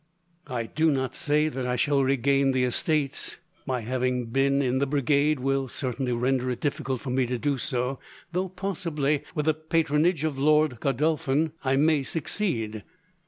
I do not say that I shall regain the estates. My having been in the Brigade will certainly render it difficult for me to do so, though possibly, with the patronage of Lord Godolphin, I may succeed.